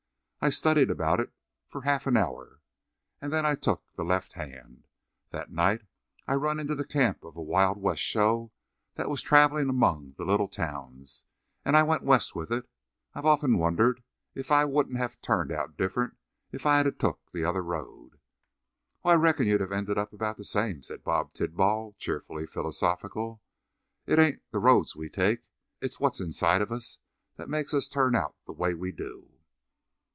I studied about it for half an hour, and then I took the left hand. That night I run into the camp of a Wild West show that was travellin' among the little towns, and I went West with it. I've often wondered if I wouldn't have turned out different if I'd took the other road." "Oh, I reckon you'd have ended up about the same," said Bob Tidball, cheerfully philosophical. "It ain't the roads we take; it's what's inside of us that makes us turn out the way we do."